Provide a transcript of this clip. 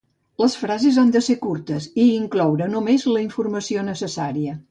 Les frases han de ser curtes i incloure només la informació necessària.